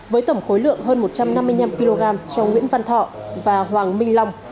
với tổng khối lượng hơn một trăm năm mươi năm kg cho nguyễn văn thọ và hoàng minh long